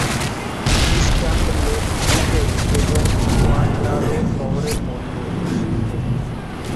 Sand Lake, উবেত এবং ওয়ান্ডারো শহরের মধ্যে অবস্থিত।